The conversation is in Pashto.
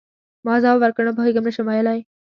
ما ځواب ورکړ: نه پوهیږم، نه شم ویلای.